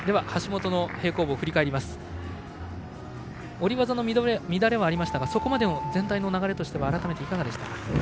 下り技の乱れはありましたがそこまでの全体の流れは改めていかがでしたか。